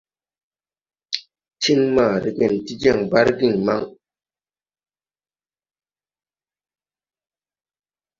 Tiŋ ma regen ti jɛŋ bargiŋ maŋ.